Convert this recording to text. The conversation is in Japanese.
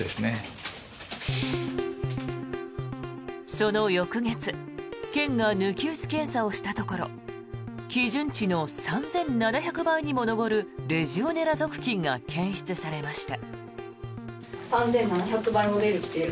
その翌月県が抜き打ち検査をしたところ基準値の３７００倍にも上るレジオネラ属菌が検出されました。